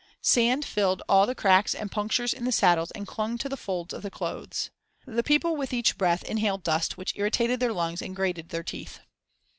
Sand filled all the cracks and punctures in the saddles and clung to the folds of the clothes. The people with each breath inhaled dust which irritated their lungs and grated their teeth.